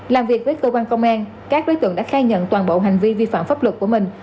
làm việc với cơ quan công an các đối tượng đã khai nhận toàn bộ hành vi vi phạm pháp luật của mình